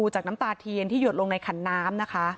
จากน้ำตาเทียนที่หยดลงในขันน้ำนะคะ